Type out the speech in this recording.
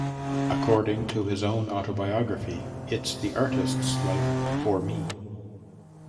According to his own autobiography, It's the Artists' Life for Me!